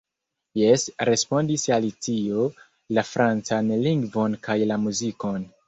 "Jes," respondis Alicio, "la francan lingvon kaj la muzikon."